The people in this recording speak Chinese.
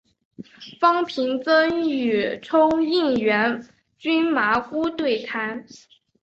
方平曾与冲应元君麻姑对谈。